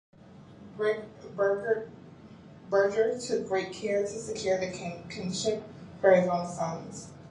Birger took great care to secure the kingship for his own sons.